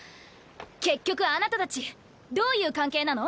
結局あなたたちどういう関係なの？